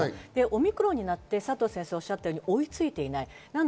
オミクロンになって、佐藤先生がおっしゃったように追いついていない。